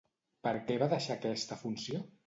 Per què va deixar aquesta funció?